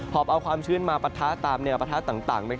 อบเอาความชื้นมาปะทะตามแนวปะทะต่าง